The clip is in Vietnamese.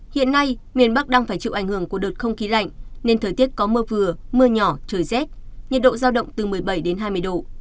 hiện nay miền bắc đang phải chịu ảnh hưởng của đợt không khí lạnh nên thời tiết có mưa vừa mưa nhỏ trời rét nhiệt độ giao động từ một mươi bảy đến hai mươi độ